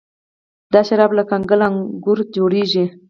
دا شراب له کنګل انګورو جوړیږي.